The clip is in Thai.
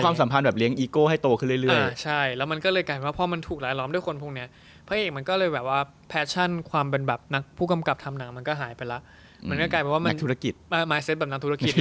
มันก็กลายเป็นว่ามายเซ็ตแบบนางธุรกิจแล้ว